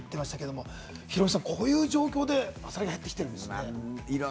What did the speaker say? ヒロミさん、こういう状況でやってきてるんですね。